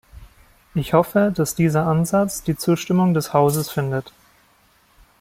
Ich hoffe, dass dieser Ansatz die Zustimmung des Hauses findet.